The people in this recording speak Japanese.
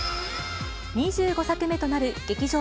２５作目となる劇場